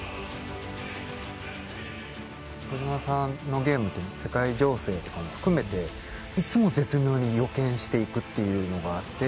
小島さんのゲームって世界情勢とかも含めていつも絶妙に予見していくっていうのがあって。